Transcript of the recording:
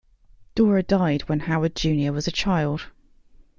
Dora died when Howard Junior was a child.